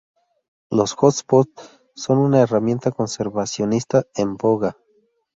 Los hotspot son una herramienta conservacionista en boga.